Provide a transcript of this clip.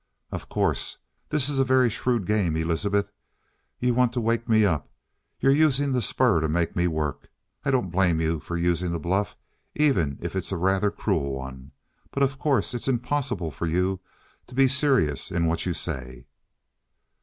"Of course, this is a very shrewd game, Elizabeth. You want to wake me up. You're using the spur to make me work. I don't blame you for using the bluff, even if it's a rather cruel one. But, of course, it's impossible for you to be serious in what you say."